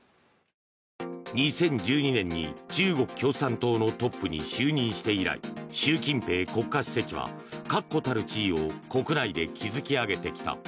２０１２年に中国共産党のトップに就任して以来習近平国家主席は確固たる地位を国内で築き上げてきた。